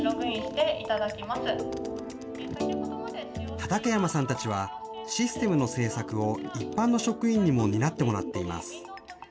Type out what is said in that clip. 畠山さんたちは、システムの製作を一般の職員にも担ってもらっています。